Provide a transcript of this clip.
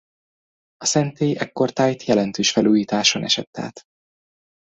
A szentély ekkortájt jelentős felújításon esett át.